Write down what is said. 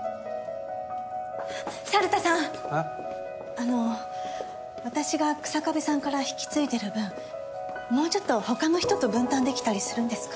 あの私が日下部さんから引き継いでる分もうちょっと他の人と分担できたりするんですか？